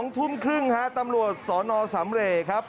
๒ทุ่มครึ่งฮะตำรวจสนสำเรย์ครับ